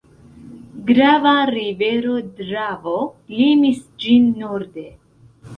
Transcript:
Grava rivero Dravo limis ĝin norde.